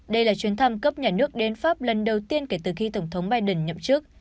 đây là chuyến thăm cấp nhà nước đến pháp lần đầu tiên kể từ khi tổng thống biden nhậm chức